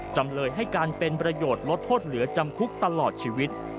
จำเลยให้การเป็นประโยชน์ลดโทษเหลือจำคุกตลอดชีวิต